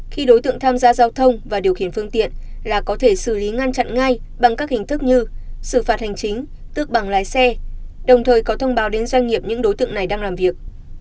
khi đối tượng tham gia giao thông và điều khiển phương tiện là có thể xử lý ngăn chặn ngay bằng các hình thức như xử phạt hành chính tước bằng lái xe đồng thời có thông báo đến doanh nghiệp những đối tượng này đang làm việc